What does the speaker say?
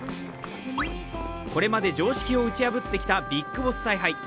これまで常識を打ち破ってきたビッグボス采配。